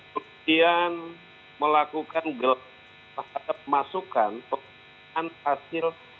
kemudian melakukan gelas masukan untuk hasil